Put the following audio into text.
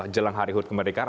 jalan hari hood kemerdekaan